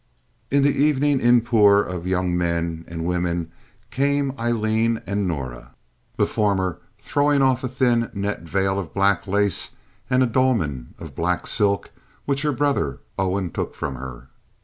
In the evening inpour of young men and women came Aileen and Norah, the former throwing off a thin net veil of black lace and a dolman of black silk, which her brother Owen took from her.